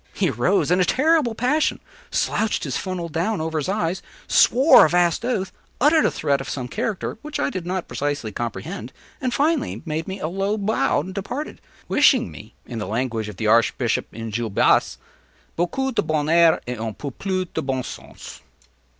He arose in a terrible passion, slouched his funnel down over his eyes, swore a vast oath, uttered a threat of some character which I did not precisely comprehend, and finally made me a low bow and departed, wishing me, in the language of the archbishop in Gil Blas, “_beaucoup de bonheur et un peu plus de bon sens_.